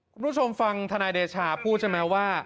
คุณผู้ชมฟังธนายเดชาพูดใช่ไหมว่า